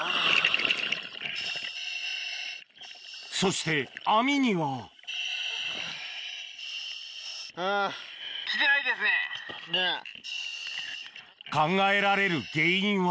そして網には考えられる原因は